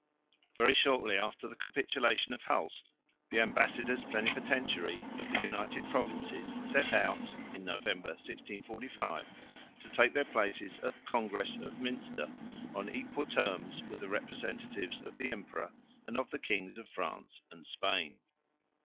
Very shortly after the capitulation of Hulst, the ambassadors plenipotentiary of the United Provinces set out (November, 1645) to take their places at the Congress of Münster on equal terms with the representatives of the Emperor and of the Kings of France and Spain.